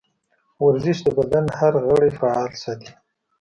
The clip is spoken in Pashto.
ورزش د بدن هر غړی فعال ساتي.